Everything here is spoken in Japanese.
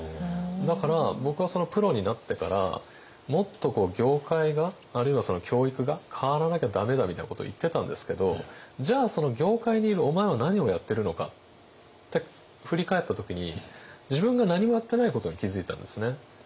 だから僕はプロになってからもっと業界があるいはその教育が変わらなきゃ駄目だみたいなことを言ってたんですけどじゃあその業界にいるお前は何をやってるのかって振り返った時に自分が何もやってないことに気付いたんですね。